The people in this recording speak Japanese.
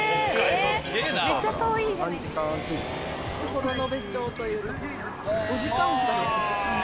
幌延町という所。